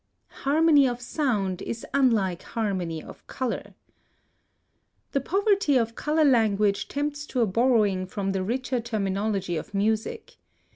+Harmony of sound is unlike harmony of color.+ (150) The poverty of color language tempts to a borrowing from the richer terminology of music.